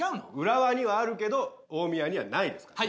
浦和にはあるけど大宮にはないですからね。